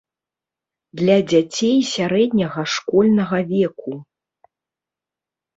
Для дзяцей сярэдняга школьнага веку.